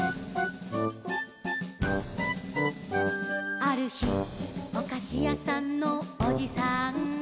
「あるひおかしやさんのおじさんが」